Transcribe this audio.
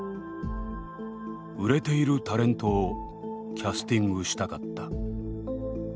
「売れているタレントをキャスティングしたかった」